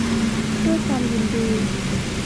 ด้วยความยินดี